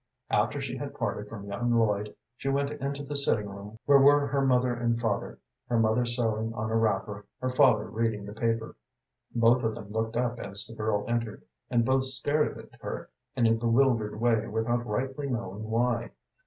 After she had parted from young Lloyd, she went into the sitting room where were her mother and father, her mother sewing on a wrapper, her father reading the paper. Both of them looked up as the girl entered, and both stared at her in a bewildered way without rightly knowing why.